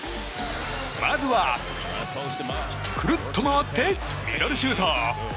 まずは、くるっと回ってミドルシュート！